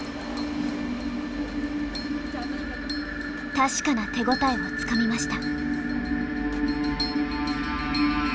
確かな手応えをつかみました。